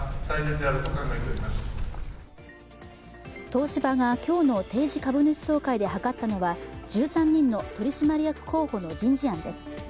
東芝が今日の定時株主総会で諮ったのは１３人の取締役候補の人事案です。